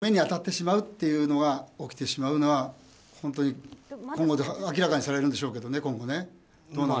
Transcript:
それはでも目に当たってしまうっていうのが起きてしまうのは本当に今後明らかにされるんでしょうけど。